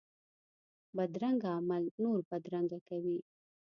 بدرنګه عمل نور بدرنګه کوي